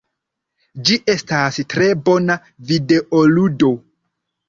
Ĝi estas tre bona videoludo.